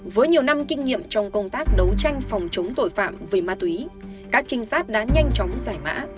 với nhiều năm kinh nghiệm trong công tác đấu tranh phòng chống tội phạm về ma túy các trinh sát đã nhanh chóng giải mã